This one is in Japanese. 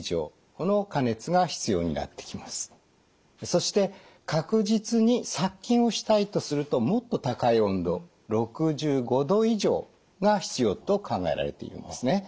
そして確実に殺菌をしたいとするともっと高い温度６５℃以上が必要と考えられていますね。